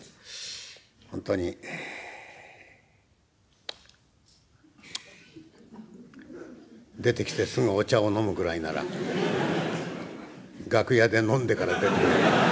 ほんとに出てきてすぐお茶を飲むぐらいなら楽屋で飲んでから出てくりゃよかった。